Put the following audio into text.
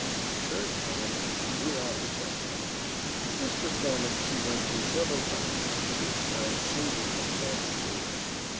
A third time and she drew out the chestnut. This performance she went through several times, each time singeing her paw severely.